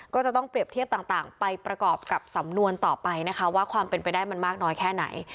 ก็จะต้องเปรียบเทียบต่างไปประกอบกับสำนวนต่อไปนะคะว่าความเป็นไปได้มันมากน้อยแค่ไหน